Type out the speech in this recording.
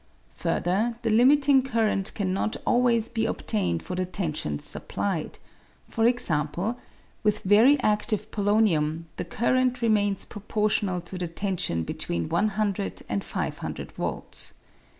Further, the limiting current cannot always be obtained for the tensions supplied ; for example, with very adtive polonium the current remains proportional to the tension between 100 and 500 volts.